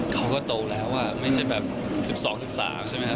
เขาก็โตแล้วอ่ะไม่ใช่แบบ๑๒๑๓ใช่ไหมครับ